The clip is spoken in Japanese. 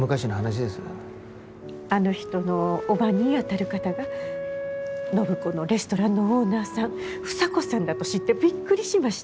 あの人の叔母にあたる方が暢子のレストランのオーナーさん房子さんだと知ってびっくりしました。